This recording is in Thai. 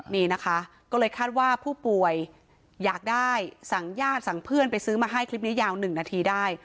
นี่นะคะก็เลยคาดว่าผู้ป่วยอยากได้สั่งญาติสั่งเพื่อนไปซื้อมาให้คลิปนี้ยาว๑นาทีได้